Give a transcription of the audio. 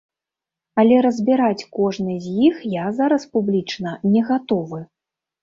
Але разбіраць кожны з іх я зараз публічна не гатовы.